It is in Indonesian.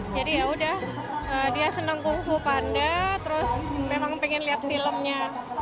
jadi yaudah dia senang kung fu panda terus memang pengen lihat filmnya